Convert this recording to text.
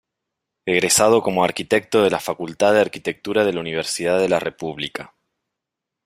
Egresado como arquitecto de la Facultad de Arquitectura de la Universidad de la República.